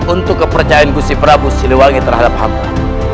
untuk kepercayaan gusiprabu siliwangi terhadap hamba